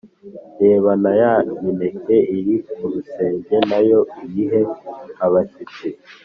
reba na ya mineke iri ku rusenge na yo uyihe abashyitsi.